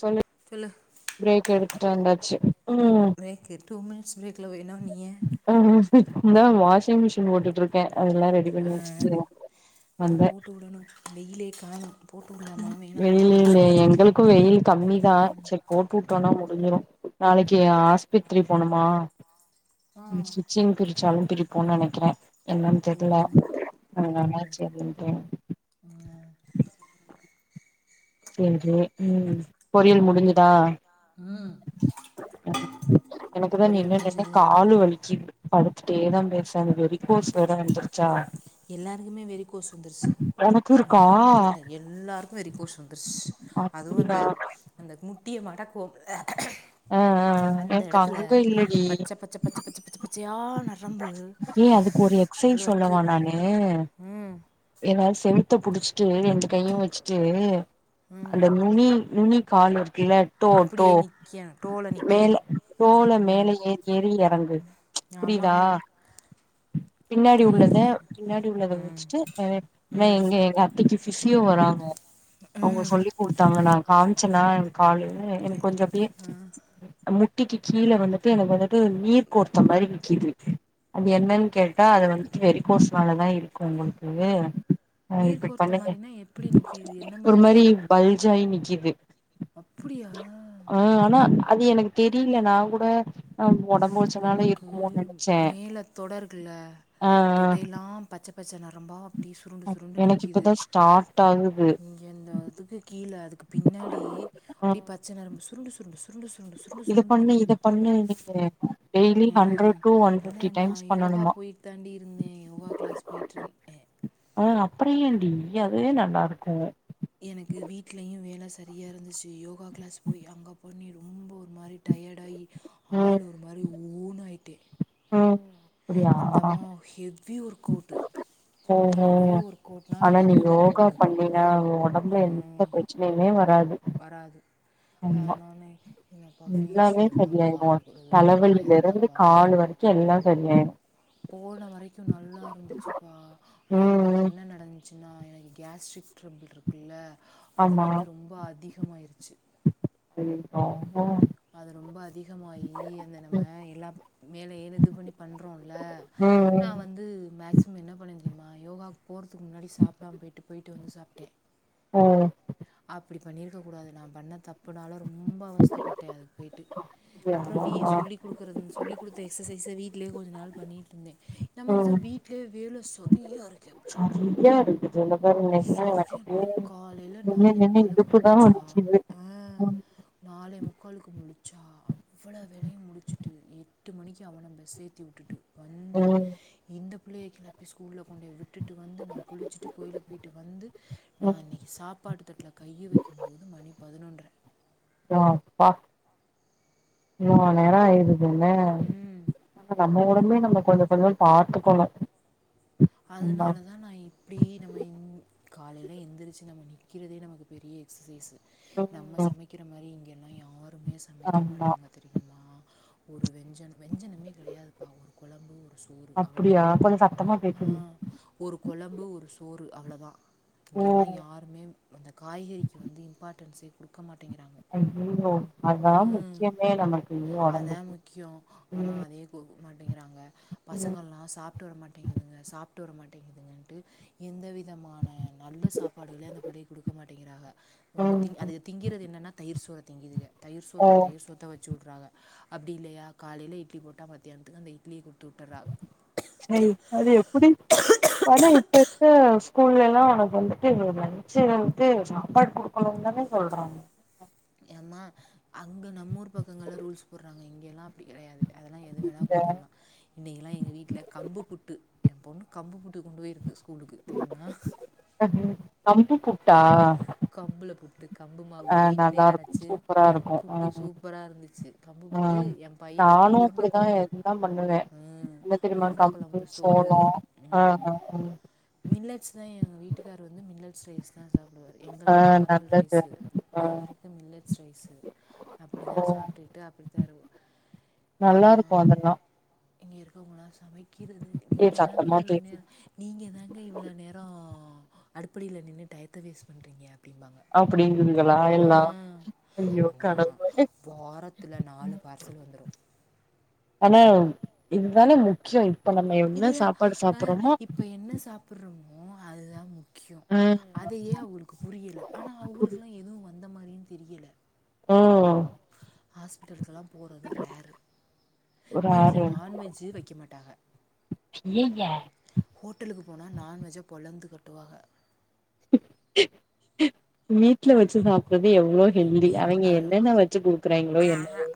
சொல்லு பிரேக் எடுத்து கிட்டவந்தாச்சி பிரேக் டூ மினிட்ஸ் பிரேக்கில் வேணும் நீயே நான் வாஷிங் மிஷின் போட்டுட்டு இருக்கேன் ஆஹ் ஆஹ் போட்டு விடணும் வெயிலே காணும் வெயில் இல்லைய எங்களுக்கும் வெயில் கம்மிதான் சேரி போட்டு விட்டோம்னா முடிஞ்சிடும் நாளைக்கு ஆஸ்பித்திரி போணமா சிச்சிங் பிரிசியாலும் பிரிப்போன்னனு நினைக்கிறேன் என்னன்னு தெரியல அதுனால சேரின்டு சேரி உம் பொரியல் முடிஞ்சுதா எனக்குதான் நின்னுநின்னு கால வலிக்குது படுத்துட்டேதான் பேச அது வெறி கோர்ஸ் வேற வந்துருச்சா எல்லாருக்குமே வெறி கோஸ் வந்துருச்சு உனக்கு மட்டும் இல்ல எல்லாருக்கும் வெறி கோர்ஸ் வந்து பஸ் அதுவும் அந்த அந்த முட்டிய மட போக அந்த இடத்துல பச்ச பச்ச பச்பச் பச் ஜியானத் ஏன் அதுக்கு ஒரு எக்ஸசைஸ் சொல்லவா நானு ஹ என்ன ச வயித்த புடிச்சிட்டு ரெண்டு கையும் வச்சுட்டு அந்த நுனி நுனி கால் ல்ல டோ டோ மேல டோல மேல ஏறி ஏறி இறங்கு புரியுதா பின்னாடி உள்ளத பின்னாடி உள்ளதை வச்சுட்டு ஏ எங்க எங்க அத்தைக்கு பிசியோ வராங்க அவங்க சொல்லி கொடுத்தாங்க நா காமிச்சன்னா என் காலு என கொஞ்சம் பே முட்டிக்கு கீழே வந்துட்டு எனக்கு வந்துட்டு நீர் கோத்த மாதிரி நிக்கிது இருக்கு அது என்னன்னு கேட்டா அது வந்துட்டு வெறி கோஸ்னாலதான் இருக்கும் உங்களுக்கு ஆஹ் இப்படி பண்ண ஒரு மாரி பல்ஜாயி நிக்குது ஆஹ் ஆனா அது எனக்கு தெரியல நான் கூட நம் உடம்பு வச்சனாலும் இருக்குமோனு நினைச்சேன் தொடர்கள்ல தொடையெல்லாம் பச்சப் பச்ச நரம்பா சுருண்டு சுருண்டு நிக்குது இங்கந்த அதுக்கு கீழே அதுக்கு பின்னாடி அப்படிய பச்ச நரம்பு சுருண்டு சுருண்டு சுருண்டு சுருண்டு சுருண்டு சுருண்டு சுருண்டு சுருண்டு நிக்கிது உஹம் இல்ல நான் யோகா போயிட்டு தாண்டி இருந்தேன் யோகா கிளாஸ் போயிட்டு இருந்தேன் ஆஹ அப்படியேண்டி அதுவே நல்லா இருக்கு சரியாக இருந்துச்சு யோகா கிளாஸ் போய் அங்கே பண்ணி ரொம்ப ஒரு மாதிரி டயர் ஆகி ஆள் ஒரு மாதிரி ஓனு ஆகிட் டே ம் அந்தமா ஹெவி ஒர்க்வுட்டு ஹெவி ஒர்க் அவுட்னா ஹெவி ஒர்க்வுட்டு எந்த பிரச்சனையுமே வராது வராது அதனனே என்னப்பா ஃபீஸ் எவ்வளவுப்பா கொடுக்கறது மூவாயிருப்பா சரியாயிரும் போன வரைக்கும் நல்லா இருந்துச்சுப்பா ஆனா எனக்கு என்ன நடந்துச்சு னா எனக்கு கேஸ்டிக்ட்ரபுள் இருக்குல்ல அது வந்து ரொம்ப அதிகமாயிருச்சு ஆ அது ரொம்ப அதிகமாயி அந்த நம்ம எல்லா மேல ஏ இது பண்ணி பண்றோம்ல நான் வந்து மேக்சிமம் என்ன பண்ணிந்த தெரியுமா யோகாக் போறதுக்கு முன்னாடி சாப்டாம போய்டு போயிடு வந்து சாப்பிட்டேன் ஆஹ் அப்டி பண்ணிருக்க கூடாது நான் பண்ண தப்புனால ரொம்ப அவஸ்தப்பட்ட அது வீட்டு அப்புறம் வி சொல்லி கொடுக்குறதுன்னு சொல்லி் கொடுத்த எக்சசைஸ் விட் வீட்லையே கொஞ்ச நாள் பண்ணிட்டு இருந்தே நமக்கு தான் வீட்ல வேல சரியா இருக்கு சரியா இருக்குது என சத்தியம் காலையில நாளே முக்காலக்கு முழிச்சா அஹ் நாளே முக்காலுக்கு முழிச்சா அவ்வளவு வேலையும் முடிச்சுட்டு எட்டு மணிக்கு அவன பஸ்சேதி விட்டுட்டு வந்து இந்த புள்ளைய கிளப்பி ஸ்கூல கொண்டோய் விட்டு வந்து நான் குளிச்சிட்டு வீட்க்கு வந்து நான் இன்னைக்கு சாப்பாடு தட்டல கை வைக்கும் போது மணி பதினொன்றை யப்பா இவ்ளோ நேரம் ஆயிருக் முனே நம்ம ஒடம்பே நம் கொஞ்ஜம் கொஞ்ஜம் பாத்துகோங்க அதனாலதான் நா இப்டியி நம்ம இங் காலைல எந்திரிச்சி நம்ம நிக்கிறதே நமக்கு பெரிய எக்ஸஸைசு நம்ம சமைக்கிற மாரி இங்க ல்ல யாருமே சமைக்க மாட்டாங்க தெரியுமா ஒரு வெஞ்சனா வெஞ்சனமே கிடையாதுப்பா ஒரு கொழம்பு ஒரு சோறு அவ்வள தான் ஆஹ ஒரு குழம்பு ஒரு சோறு அவ்ளோதான் இங்க எல்லாம் யாருமே அந்த காய்கறிக்கு வந்து இம்பார்ட்டன்ஸே குடுக்க மாட்டேங்கிறாங்க அதான் முக்கியமே நமக்கு இனி உடம்புக்கு உம் டிங்கிறாங்க பசங்க லா சாப்புட்டு வர மாட்டேங்குதுங்க சாப் வர மாட்டேங்குதுங்கன்ட்டு எந்த வி விதமான நல்ல சாப்பாடுகளே அந்த புள்ளை குடுக்க மாட்டிங்கிறாங்க ஒன்னு திங் அது திங்குறது என்னன்னா தயிர் சோறு திங்குதுங்க தயிர் சோத்த தயிர் சோத்த வ சுல்றாங்க அப்படி இல்லையா காலையில இட்லி போட்டா மத்தியானத்துக்கு அந்த இட்லியை கு சரி அது எப்படி பண இப்ப ஊன் ஸ்கூல்ல லா அவனுக்கு வந்துட்டு லஞ்ச்சு வந்துட்டு சாப்பாடு குடுக்கணுன்னு தானே சொல்றாங்க ம்மா அங்கே நம்ம ஊர் பக்கங்களில் ரூல்ஸ் போடுறாங்க இங்க லா அப்படி கிடையாது அதெல்லா எதுங்களா குடுத்து விடலாம் இன்னிக்கல்லாம் எங்கள் வீட்டுல கம்பு புட்டு என் பொண்ணு கம்பு புட் டு கொண்டு போயிருக்கு ஸ்கூலுக்கு தெரியுமா புட்டா கம்புள புட் கம்பு மாவு வீட்லயே அரைச்சு புட்டு சூப்பரா இருந்துச்சு கம்பு புட்டு என் பையன் வந்து உருண்ட குழம்பு உம் உருண்ட குழம்பு சோறு உம் மில்லட்ஸ் ஹ எங்க வீட்டுகார் வந்து மில்லல்ஸ் ரைஸ்தான் சாப்டு எங்களுக்கு நார்மல் ரைஸ்சு அவருக்கு மில்லட்ஸ் ரைஸ்சு அப்படிதான் சாப்பிட்டுட்டு அப்படி தருவோம் ஆனா இங்க இருக்கவங்கணா சமைக்கிறது நீங்க தாங்க இவ்ளோ நேரம் நீங்க தாங்க இவ்ளோ நேர அடுப்படில நின்னு டயத்தை வேஸ்ட் பண்றீங்க அப்படின்குது அதா எல்லா ஐயோ கடவுளே ஆனா இதுதானே முக்கிய இதுதான் ஆஹ் இப்ப என்ன சாப்பூர்றோமோ மூ அதுதான் முக் முக்கிய அதையே அவுகளுக்கு புரியல ஆனா அவுகளுக்கு லா எதுவும் வந்து இந்த மாதிரினு தெரியல உம் ஹாஸ்பிட்டலுக்கல்லாம் போறது ரேரு வீட்ல நான்வெஜ் வைக்க மாட்டாங்க ஹோட்டலுக்கு போனா நான்வெஜ் பொலந்து கட்டுவாங்க கட்டுவாக வீட்டுல வச்சு சாப்பறது எவ்வளவு ஹெ்ல்தி அவங்க என்னென்ன வச்சு குடுக்குறாங்களோ என்னவோ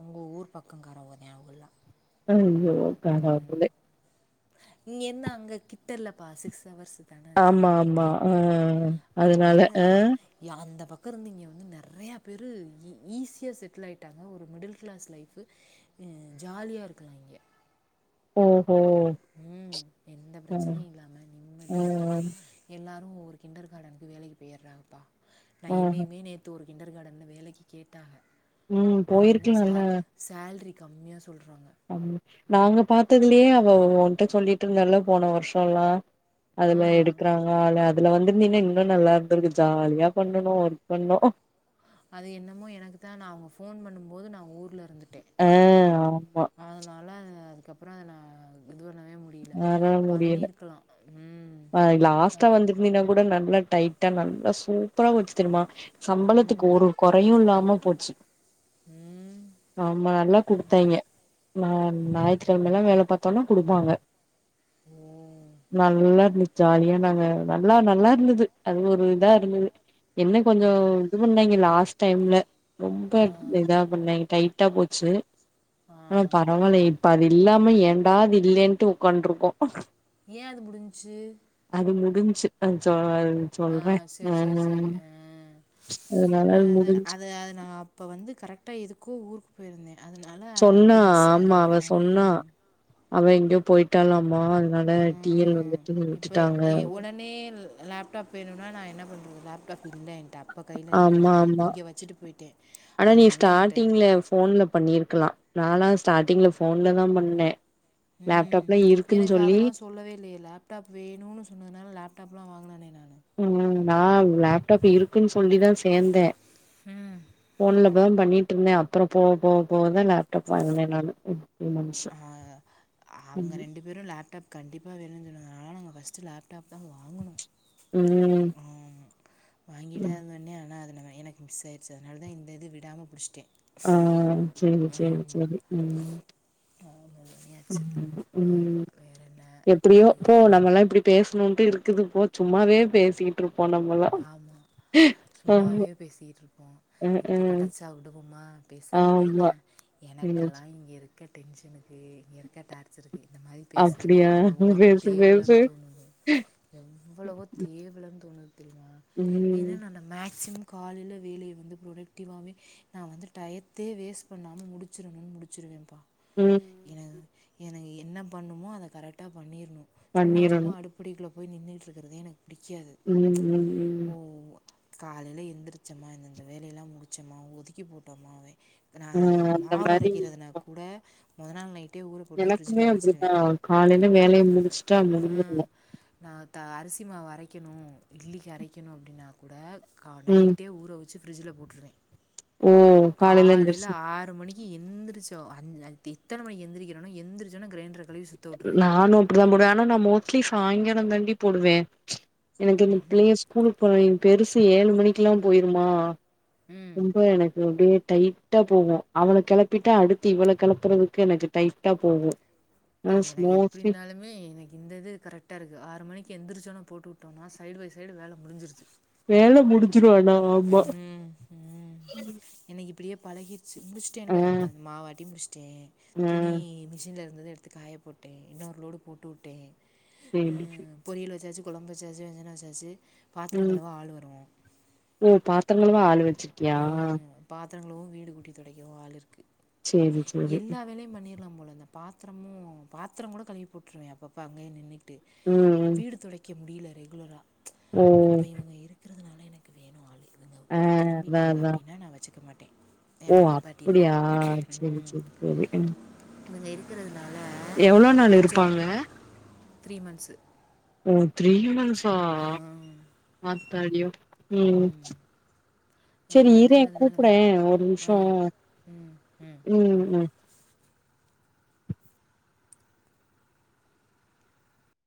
உங்கள் ஊர் பக்கங்காரங்கவு அவகெல்லாம் உஹ் அய்யோ கடவுளே இங்கிருந்து அங்க கிட்டலப்பா சிக்ஸ் ஹவர்ஸ் தானே ஜர்னி டைம் அதனால அந்த பக்கம் அங்க இருந்து இங்க வந்து நிறையா பேர் ஈஸியாக செட்டில் ஆயிட்டாங்க ஒரு மிடில் கிளாஸ் லைஃப்பு ஜாலியாக இருக்குறாங்க உம் உம் எந்த பிரச்சனையும் இல்லாம நிம்மதியா இருக்கலாம் எல்லாத் ஒரு கிண்டர் கார்டனுக்கு வேலைக்கு போயிடுறாங்கப்பா நான் என்னையுமே நேத்து ஒரு கிண்டர்கார்டன்ல வேலைக்கு கேட்டாக ஆனா என்ன சே சேல்ரி கம்மியா சொல்றாங்க ம் நாங்க பார்த்ததுலயே அவ உனிட்ட சொல்லிட்டு இருந்தாலே போன வருஷம் எல்லாம் அது மாதிரி எடுக்கறாங்க ஆல அதுல வந்திருந்தீன்னா இன்னும் நல்லா இருந்திருக்கும் ஜாலியா பண்ணணும் ஒர்க் பண்ணும் அது என்னமோ எனக்கு தான் நா அவங்க போன் பண்ணும் போது நான் ஊர் உள்ள இருந்துட்டே அதனால அது அப்புறம் நான் இதுவ வே முடியல பண்ணிருக்கலாம் உம் ஆ லார்ஸ்ட் வந்திருந்தீனா கூட நல்லா டைட்டா நல்லா சூப்பரா வந்துச்சு தெரியுமா சம்பளத்துக்கு ஒரு குறையும் இல்லாம போச்சு போ ஆமா நல்லா கொடுத்தாங்கே நா ஞாயிற்றுக்கிழமை எல்லாம் வேலை பார்த்தோம்னா கொடுப்பாங்க நல்ல ஜாலியா நாங்க நல்லா நல்லா இருந்தது அது ஒரு இதா இருந்தது என்ன கொஞ்சம் இது பண்ணாங்க லார்ஸ்ட் டைம்ல ரொம்ப இதா பண்ணேங்க டைட் டைடா போச்சு ஆஹ் பரவாயில்லயே இப்பதி இல்லாம ஏண்டா அது இல்லலைன்ட்டு உட்காண்டருக்கோ ஏன் அது முடிஞ்ச்சு முடிஞ்ச்சு அது ஜலியா சொல்றேன் உஹம் அதது அது நான் அப்ப வந்து கரெக்டா எதுக்கோ ஊருக் போய்ருந்த அதனால அப்படியே மிஸ் ஆகதா ஹா அவ எங்கயோ போயிட்டாலா உம் இப்ப உடனே லேப்டாப் வேணுனா நான் என்ன பண்றது லேப்டாப் பண்டன் அப்ப கையில இல் ந இங்க வச்சுட்டு போயிட்டேன் அதனால என்ட்ட நானா ஸ்டார்டிங்ல போன்ல தான் பண்ணே உம் எனக்கு அதெல்லா சொல்லவே இல்லையே லேப்டாப் வேனுன்னு சொன்னதுனால லேப்டாப் எல்லா வாங்கின அ உம் ஹம் நான் லேப்டாப் இருக்குன்னு சொல்லிதான் சேர்ந்தேன் உம் ஒர்கு பண்ணிட்டு இருந்தேன் அப்பறொ போக போக போகதான் லேப்டாப் வாங்கினேன் நானு ஆ அவங்க ரெண்டு பேரும் லேப்டாப் கண்டிப்பா வேணுனு சொன்னாங்க அதனால் நா ஃபஸ்ட்டு லேப்டாப் தான் வாங்கணோ ம் வாங்கிட்டுதான் இருந்த ஆனா அதுல எனக்கு மிஸ் ஆடுச்சி அதனால தான் இந்த இது விடாமல் புடிச்சிட்டேன் ஆஹ் செரி செரி செரி உம் உம் உம் எப்டியோ இப்போ நம்மல்லா இப்பிடி பேசணுன்ட்டு இருக் குது போ சும்மாவே பேசிட்டு இருப் ஆமா சும்மாவே பேசிட்டு இருப்போ இப்ப கடச்சா விடுவோம்மா பேச வேண்டியதுதா எனக்கெல்லா இங்க இருக் க டென்ஷனுக் கு இங்க இருக்க டார்ச்சருக்கு இந்த மாரி பேசுறது எவ்வளவோ தேவலைன்னு தோணுது எவ்வளவோ தேவலைன்னு தோணுது அப்பிடியா என்னன்னா அந்த மேக் சிமம் காலையில வேலைய வந்து ப்ரொடக்டிவாகவே நா வந்து டயத்தயே வேஸ்ட் பண்ணாம முடிச்சிரணுன்னு முடிச்சுருவேம்ப்பா எனக்கு எனக்கு எ என்ன பண்ணுமோ அதை கரெக்டா பண்ணிர்ணு சும்மா சும்மா அடுப்படிக்குள்ள போய் நின்னுட்றக்கறதே எனக் புடிக்காது ஓ காலைல எந்திரிச்சமா இந்த இந்த வேலையெல்லா முடிச்சோமா ஒதுக்கி போட்டோமாவே நா மாவு அரைக்கிறதுனா கூட மொத நாள் நை ட்டே ஊறப் போட்டு ஃபிரிட்ஜில அடைச்சுருவே ம் நா த அரிசி மாவு அரைக் க்கணு இட்லிக்கு அரைக்கணு அப்டின்னா கூட கா நைட்டே ஊற வச் சு ஃப்ரிட்ஜில போட்ருவே காலையில ஆறு மணிக்கு எந்திரிச் சு அந் அந் எத்தன மணிக்கி எந்திரிக்கிறனோ எந்திரிச்சோனே கிரைண்ட நானு அப்டிதா போடுவே ஆனா நான் மோஸ்ட்லி சாயங்காலம் தாண்டி போடுவே எனக்கு இந்த பிள்ளைக ஸ்கூலுக்கு போறாய்ங்க பெருசு ஏழு மணிக்கு எல்லா போயிருமா ரொம்ப எனக்கு அப்டியே டைட்டா போவு அவள கெளப்பிட்டா அடுத்து இவள கெளப்புறதுக்கு எனக்கு டைட்டா போவு ஆ எனக்கு எப்டின்னாலுமே எனக்கு இந்த இது கரெக்டா இருக்கு ஆறு மணிக்கு எந்திரிச்சோன்னே போட்டு விட் போட்டோம்னா சைடு பை சைடு வேலை முடிஞ்சுருது வேலை முடுஞ் சுரு ஆனா ஆமா இப்பிடியே பழகி முடிஷ்டே மாவாட்டி முடிஷ் துணி மிஷின் இரு அத எடுத்து காய போட்டேன் இன்னொரு லோடு போட்டுவுட்டேன் ம் பொரியல் வச்சாச்சு குழம்ப சாசு அஞ்சனா சாசு பாத்திரங்களுவ ஆள் வரும் ஓ பாத்திரங்களுவ ஆள் ச்சிருக்கியா [unintelligible] ச்சேரி ச்சேரி ஓ அந்த பாத்திரமும் பாத்திரம் கூட கழுவி போட்ருவேன் அப்ப அப்ப அங்கயே நிண்ணு வீடு தொடைக்க முடில ரெகுலரா ப்பு இப்ப இவங்க இருக்குறதுனால அ அ அ நாங்க அப்டிநா நா வச்சுக்க மா ஓ அப்டியா சேரி சேரி சேரி இவங்க இருக்குறது எவ்ளோ நாள் இருப்பாங்க த்ரீ மந்சு ஓ த்ரீ மந்ஸ் ஆஹ் ஆத்தாடியோ ம்உம்ம் ச்சேரி இறேன் கூப்புடேன் ஒரு நிம்ஷம் ஊம்ம்ம்